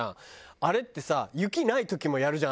あれってさ雪ない時もやるじゃん